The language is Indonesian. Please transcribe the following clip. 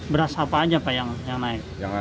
beras apa aja pak yang naik